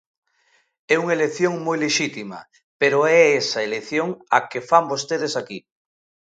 É unha elección moi lexítima, pero é esa elección a que fan vostedes aquí.